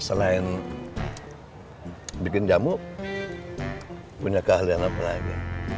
selain bikin jamu punya keahlian apa lagi